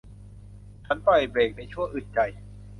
ฉันปล่อยเบรคในชั่วอึดใจ